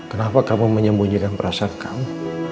kenapa kamu menyembunyikan perasaan kamu